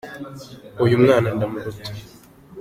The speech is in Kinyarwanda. uyumwana ndamuruta